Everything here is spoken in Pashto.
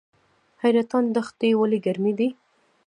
حیرتان دښتې ولې ګرمې دي؟